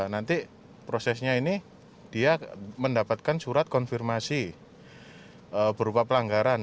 nanti prosesnya ini dia mendapatkan surat konfirmasi berupa pelanggaran